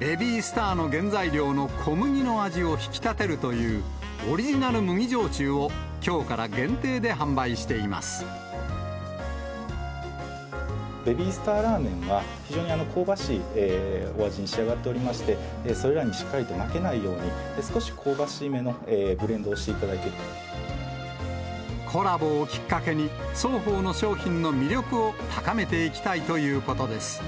ベビースターの原材料の小麦の味を引き立てるという、オリジナル麦焼酎を、ベビースターラーメンは、非常に香ばしいお味に仕上がっておりまして、それらにしっかりと負けないように、少し香ばしめのブレンドをしコラボをきっかけに、双方の商品の魅力を高めていきたいということです。